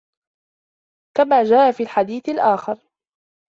كَمَا جَاءَ فِي الْحَدِيثِ الْآخَرِ